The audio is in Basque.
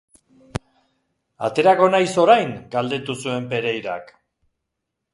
Aterako naiz orain?, galdetu zuen Pereirak.